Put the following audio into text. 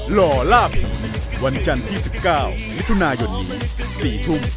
หล่อล่าพี่วันจันทร์๒๙นิถุนายนอีก๔ทุ่ม